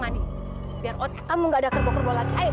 mandi biar kamu enggak ada kerbau kerbau lagi